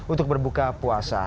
untuk berbuka puasa